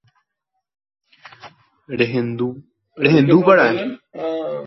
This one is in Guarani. Rehendúpara'e.